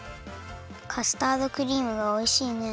カスタードクリームがおいしいね。